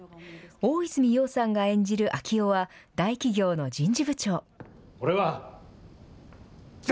大泉洋さんが演じる昭夫は大企業の人事部長。